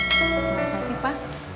masa sih pa